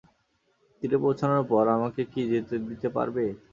তীরে পৌঁছানোর পর, আমাকে কি যেতে দিতে পারবে?